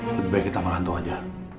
lebih baik kita mengantuk aja